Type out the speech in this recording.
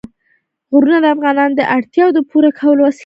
غرونه د افغانانو د اړتیاوو د پوره کولو وسیله ده.